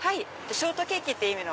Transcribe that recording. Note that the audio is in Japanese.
ショートケーキって意味の。